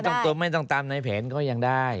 โดยไม่ต้องตามนายแผนก็ยังได้